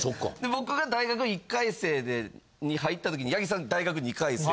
僕が大学１回生に入った時に八木さん大学２回生。